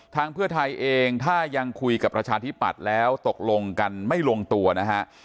เพื่อไทยเองถ้ายังคุยกับประชาธิปัตย์แล้วตกลงกันไม่ลงตัวนะฮะ